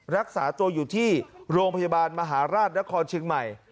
รักษาตัวอยู่ที่โรงพยาบาลมหาราชนครเชียงใหม่